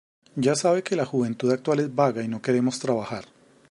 Ya sabe que la juventud actual es vaga y no queremos trabajar